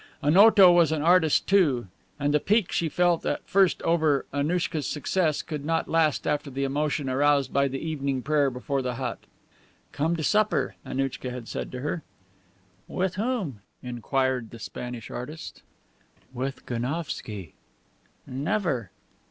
Onoto was an artist too, and the pique she felt at first over Annouchka's success could not last after the emotion aroused by the evening prayer before the hut. "Come to supper," Annouchka had said to her. "With whom?" inquired the Spanish artist. "With Gounsovski." "Never."